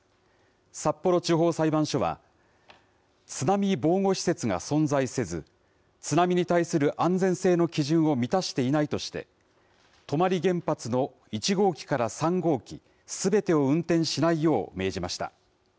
札幌地方裁判所は、津波防護施設が存在せず、津波に対する安全性の基準を満たしていないとして、泊原発の１号機から３号機すべてを運転しないよう命じました。